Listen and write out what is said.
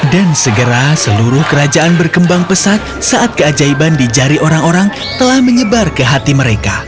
dan segera seluruh kerajaan berkembang pesat saat keajaiban di jari orang orang telah menyebar ke hati mereka